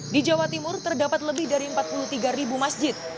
di jawa timur terdapat lebih dari empat puluh tiga ribu masjid